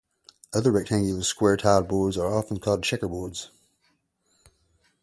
Other rectangular square-tiled boards are also often called checkerboards.